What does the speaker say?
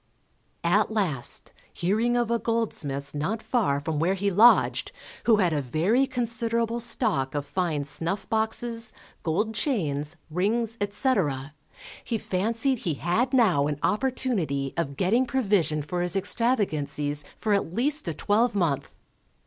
At last, hearing of a goldsmith's not far from where he lodged, who had a very considerable stock of fine snuff boxes, gold chains, rings, etc., he fancied he had now an opportunity of getting provision for his extravagancies for at least a twelvemonth.